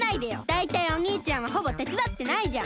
だいたいおにいちゃんはほぼてつだってないじゃん！